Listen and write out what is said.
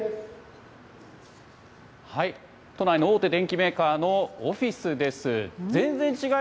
都内の大手電機メーカーのオフィスです。